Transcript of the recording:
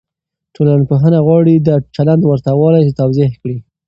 ټولنپوهنه غواړي د چلند ورته والی توضيح کړي.